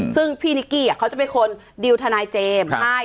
ซึ่งพี่นิกกี้เขาจะเป็นคนดิวทนายเจมส์ให้